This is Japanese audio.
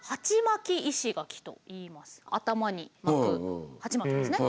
頭に巻く鉢巻ですね。